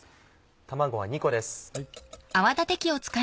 卵は２個です。